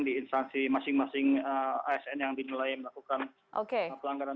di instansi masing masing asn yang dinilai melakukan pelanggaran